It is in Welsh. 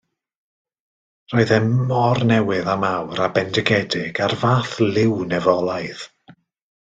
Roedd e mor newydd a mawr a bendigedig a'r fath liw nefolaidd.